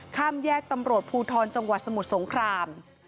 ข้ามแยกตำรวจภูทรจังหวัดสมุทรสงคราม